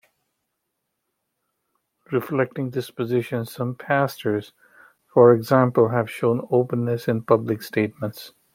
Reflecting this position, some pastors, for example, have shown openness in public statements.